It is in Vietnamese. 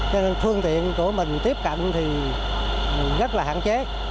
cho nên phương tiện của mình tiếp cận thì rất là hạn chế